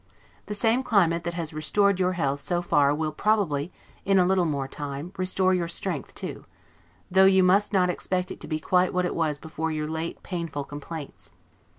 The same climate that has restored your health so far will probably, in a little more time, restore your strength too; though you must not expect it to be quite what it was before your late painful complaints.